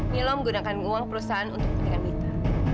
milo menggunakan uang perusahaan untuk menjaga mita